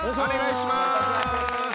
お願いします！